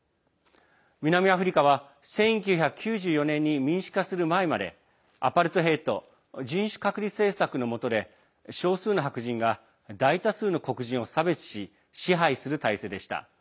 南アフリカは１９９４年に民主化する前までアパルトヘイト＝人種隔離政策のもとで、少数の白人が大多数の黒人を差別し支配する体制でした。